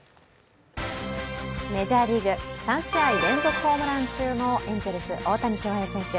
メジャーリーグ、３試合連続ホームラン中のエンゼルス・大谷翔平選手。